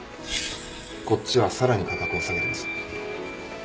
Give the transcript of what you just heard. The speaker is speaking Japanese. こっちはさらに価格を下げてます。